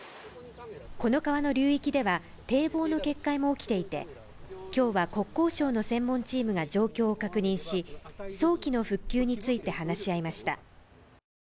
この川の流域では堤防の決壊も起きていて、今日は国交省の専門チームが状況を確認し、早期の復旧について話し合いました。